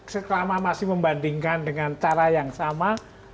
selama masih membandingkan dengan cara yang sama